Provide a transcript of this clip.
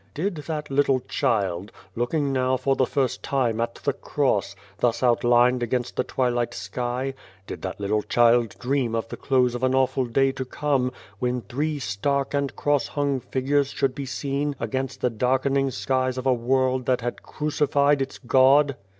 " Did that little child, looking now for the first time at the Cross, thus outlined against the twilight sky did that little child dream of the close of an awful day to come, when three stark and cross hung figures should be seen against the darkening skies of a world that had crucified its God